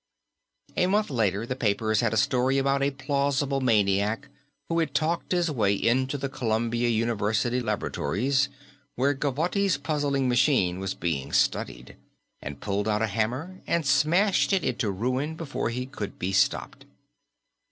A month later, the papers had a story about a plausible maniac who had talked his way into the Columbia University laboratories, where Gavotti's puzzling machine was being studied, and pulled out a hammer and smashed it into ruin before he could be stopped.